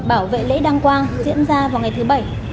bảo vệ lễ đăng quang diễn ra vào ngày thứ bảy